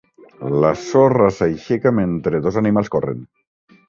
La sorra s'aixeca mentre dos animals corren